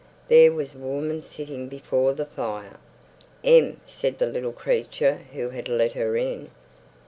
There was a woman sitting before the fire. "Em," said the little creature who had let her in.